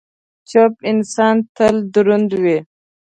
چپ انسان، تل دروند وي.